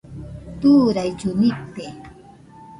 Turaillu nite